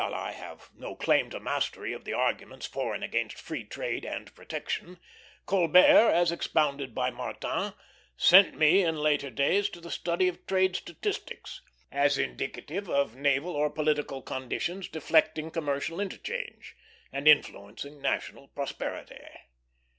While I have no claim to mastery of the arguments for and against free trade and protection, Colbert, as expounded by Martin, sent me in later days to the study of trade statistics; as indicative of naval or political conditions deflecting commercial interchange, and influencing national prosperity.